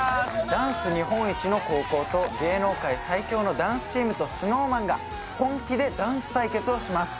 ダンス日本一の高校と芸能界最強のダンスチームとＳｎｏｗＭａｎが本気でダンス対決をします